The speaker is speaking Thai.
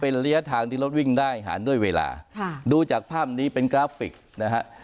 เป็นระยะทางที่รถวิ่งได้หารด้วยเวลาค่ะดูจากภาพนี้เป็นกราฟิกนะฮะ